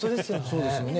そうですよね。